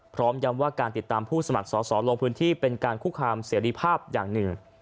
พร้อมย้ำว่าการติดตามผู้สมัครสอสอลงพื้นที่เป็นการคุกคามเสรีภาพอย่างหนึ่ง